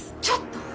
ちょっと！